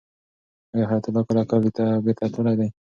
آیا حیات الله کله کلي ته بېرته تللی دی؟